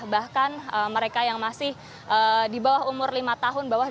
bahkan mereka yang masih di bawah umur lima tahun bawah